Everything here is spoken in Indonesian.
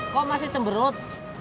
kok masih cemberut